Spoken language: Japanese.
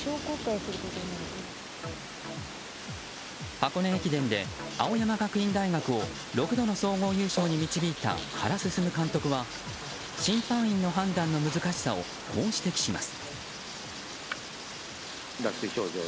箱根駅伝で、青山学院大学を６度の総合優勝に導いた原晋監督は、審判員の判断の難しさをこう指摘します。